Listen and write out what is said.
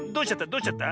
どうしちゃった？